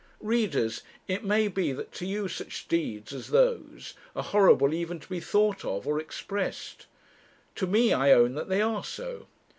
Readers, it may be that to you such deeds as those are horrible even to be thought of or expressed; to me I own that they are so.